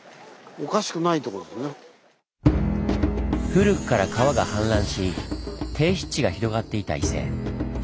古くから川が氾濫し低湿地が広がっていた伊勢。